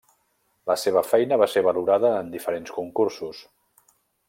La seva feina va ser valorada en diferents concursos.